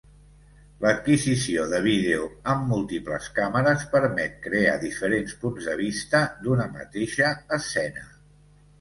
L'adquisició de vídeo amb múltiples càmeres permet crear diferents punts de vista d’una mateixa escena.